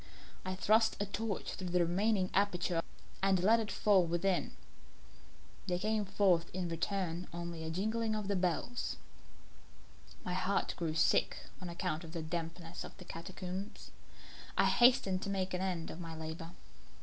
I thrust a torch through the remaining aperture and let it fall within. There came forth in reply only a jingling of the bells. My heart grew sick on account of the dampness of the catacombs. I hastened to make an end of my labour.